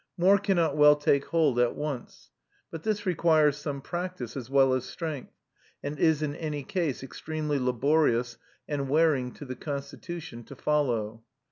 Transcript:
More cannot well take hold at once. But this requires some practice, as well as strength, and is in any case extremely laborious, and wearing to the constitution, to follow.